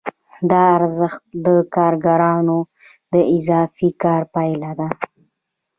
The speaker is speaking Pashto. دا ارزښت د کارګرانو د اضافي کار پایله ده